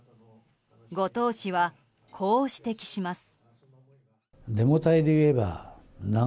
後藤氏はこう指摘します。